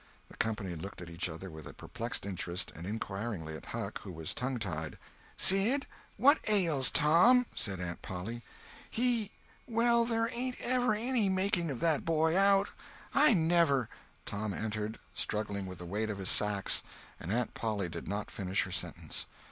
The company looked at each other with a perplexed interest—and inquiringly at Huck, who was tongue tied. "Sid, what ails Tom?" said Aunt Polly. "He—well, there ain't ever any making of that boy out. I never—" Tom entered, struggling with the weight of his sacks, and Aunt Polly did not finish her sentence.